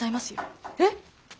えっ！